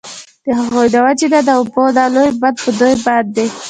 د هغوی د وجي نه د اوبو دا لوی بند په دوی باندي